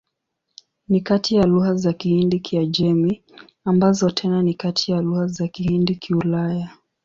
Ni kati ya lugha za Kihindi-Kiajemi, ambazo tena ni kati ya lugha za Kihindi-Kiulaya.